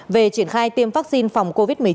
về triển khai tiêm vaccine phòng covid một mươi chín